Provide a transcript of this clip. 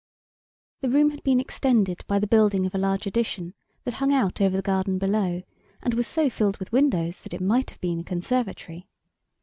The room had been extended by the building of a large addition that hung out over the garden below, and was so filled with windows that it might have been a conservatory.